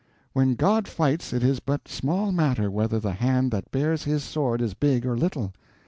"When God fights it is but small matter whether the hand that bears His sword is big or little.